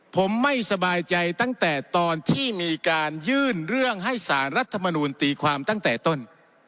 ผมไม่สบายใจตั้งแต่ตอนที่มีการยื่นเรื่องให้สารรัฐมนูลตีความตั้งแต่ต้น